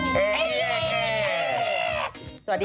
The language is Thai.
โปรดติดตามตอนต่อไป